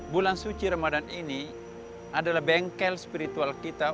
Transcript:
bulan suci ramadan ini adalah bengkel spiritual kita